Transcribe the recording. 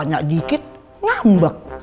ditanya dikit ngambek